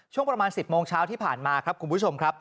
ช่วงประมาณ๑๐โมงเช้าที่ผ่านมา